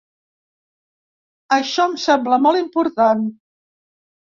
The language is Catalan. Això em sembla molt important.